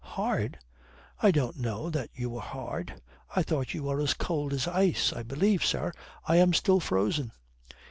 "Hard? I don't know that you were hard. I thought you were as cold as ice. I believe, sir, I am still frozen."